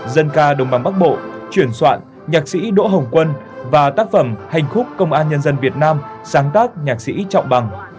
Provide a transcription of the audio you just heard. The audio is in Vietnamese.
dân ca đồng bằng bắc bộ chuyển soạn nhạc sĩ đỗ hồng quân và tác phẩm hành khúc công an nhân dân việt nam sáng tác nhạc sĩ trọng bằng